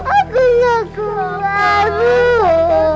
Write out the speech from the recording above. aku gak kuat ibu